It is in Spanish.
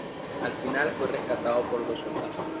Al final fue rescatado por dos soldados.